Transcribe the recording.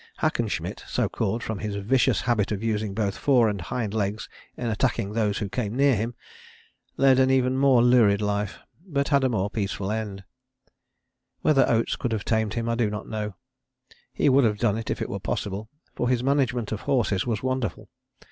Hackenschmidt, so called "from his vicious habit of using both fore and hind legs in attacking those who came near him," led an even more lurid life but had a more peaceful end. Whether Oates could have tamed him I do not know: he would have done it if it were possible, for his management of horses was wonderful.